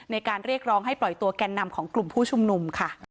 ในการเรียกร้องให้ปล่อยตัวแก่นนำของกลุ่มผู้ชุมนุมค่ะ